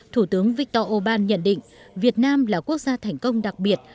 thủ tướng viktor orbán nhận định việt nam là quốc gia thành công đặc biệt